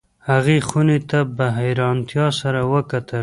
هغې خونې ته په حیرانتیا سره وکتل